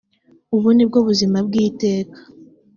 ubu ni bwo buzima bw iteka